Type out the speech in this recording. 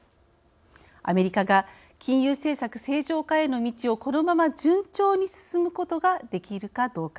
アメリカが金融政策正常化への道をこのまま順調に進むことができるかどうか。